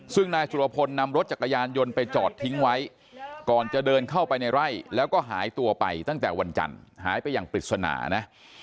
ซึ่งนายสุรพลนำรถจักรยานยนต์ไปจอดทิ้งไว้ก่อนจะเดินเข้าไปในไร่แล้วก็หายตัวไปตั้งแต่วันจันทร์หายไปอย่างปริศนานะ